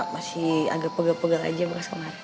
masih agak pegal pegal aja